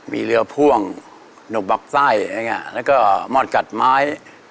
มีเรือพ่วงหนกบักไส้แล้วก็มอดกัดไม้